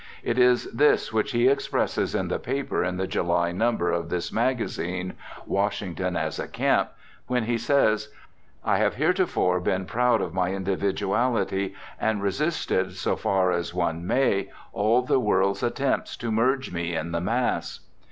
It is this which he expresses in the paper in the July number of this magazine, "Washington as a Camp," when he says, "I have heretofore been proud of my individuality, and resisted, so far as one may, all the world's attempts to merge me in the mass."